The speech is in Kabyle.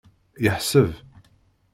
Yeḥseb.